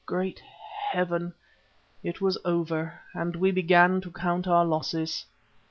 Great Heaven! it was over, and we began to count our losses.